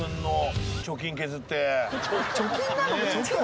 貯金なの？